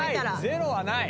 ゼロはない。